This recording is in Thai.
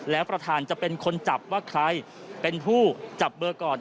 แล้วประธานจะเป็นคนจับว่าใครเป็นผู้จับเบอร์ก่อน